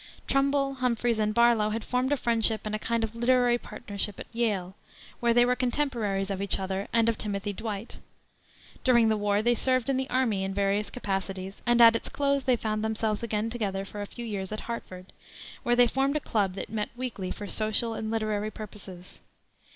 Trumbull, Humphreys, and Barlow had formed a friendship and a kind of literary partnership at Yale, where they were contemporaries of each other and of Timothy Dwight. During the war they served in the army in various capacities, and at its close they found themselves again together for a few years at Hartford, where they formed a club that met weekly for social and literary purposes.